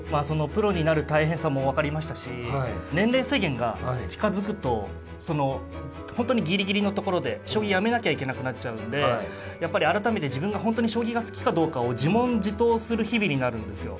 プロになる大変さも分かりましたし年齢制限が近づくとその本当にぎりぎりのところで将棋やめなきゃいけなくなっちゃうんでやっぱり改めて自分が本当に将棋が好きかどうかを自問自答する日々になるんですよ。